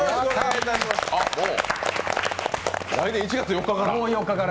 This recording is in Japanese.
もう、来年１月４日から。